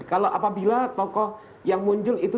kalau apabila tokoh yang muncul itu